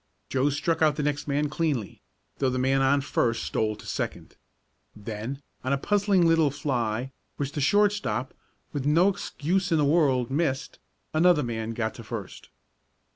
Joe struck out the next man cleanly, though the man on first stole to second. Then, on a puzzling little fly, which the shortstop, with no excuse in the world, missed, another man got to first.